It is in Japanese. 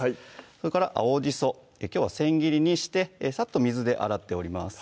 それから青じそきょうは千切りにしてサッと水で洗っております